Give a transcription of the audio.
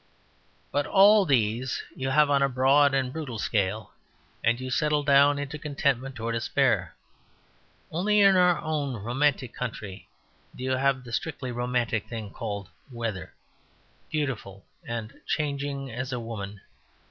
But all these you have on a broad and brutal scale, and you settle down into contentment or despair. Only in our own romantic country do you have the strictly romantic thing called Weather; beautiful and changing as a woman.